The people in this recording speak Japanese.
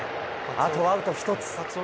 あとアウト１つ。